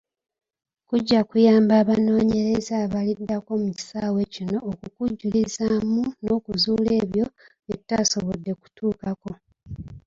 Kujja kuyamba abanoonyereza abaliddako mu kisaawe kino okukujjulizaamu n'okuzuula ebyo bye tutasobodde kutuukako.